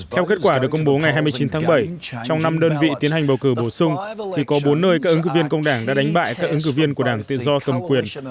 theo kết quả được công bố ngày hai mươi chín tháng bảy trong năm đơn vị tiến hành bầu cử bổ sung thì có bốn nơi các ứng cử viên công đảng đã đánh bại các ứng cử viên của đảng tự do cầm quyền